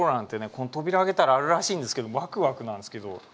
この扉開けたらあるらしいんですけどわくわくなんですけど。